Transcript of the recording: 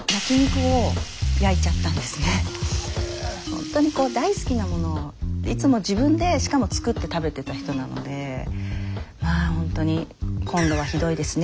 ほんとにこう大好きなものをいつも自分でしかも作って食べてた人なのでまあ炎上ですよ